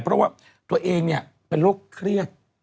เพราะว่าตัวเองเป็นโรคเครียด